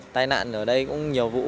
tài nạn ở đây cũng nhiều vụ